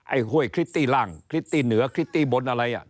ไอ้ห้วยคริสติล่างคริสติเหนือคริสติบนอะไร